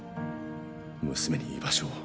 娘に、居場所を。